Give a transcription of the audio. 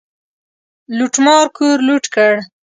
لوټمار کور لوټ کړ.